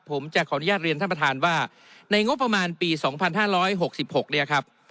ผมจะขออนุญาตเรียนท่านประธานว่าในงบประมาณปี๒๕๖๖เนี่ยครับ